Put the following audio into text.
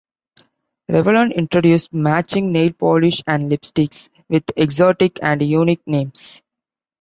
Revlon introduced matching nail polish and lipsticks with exotic and unique names.